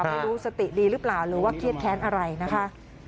ไม่รู้สติดีหรือเปล่าหรือว่าเครียดแค้นอะไรนะคะ